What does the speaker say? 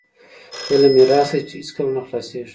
علم میراث دی چې هیڅکله نه خلاصیږي.